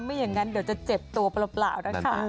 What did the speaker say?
ไม่อย่างนั้นเดี๋ยวจะเจ็บตัวเปล่านะคะ